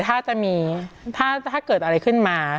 ถ้าจะมีถ้าเกิดอะไรขึ้นมา